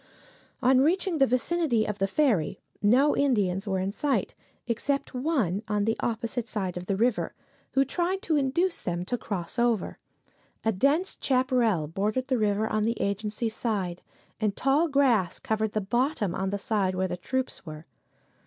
On reaching the vicinity of the ferry no Indians were in sight, except one on the opposite side of the river, who tried to induce them to cross over. A dense chaparral bordered the river on the agency side, and tall grass covered the bottom on the side where the troops were.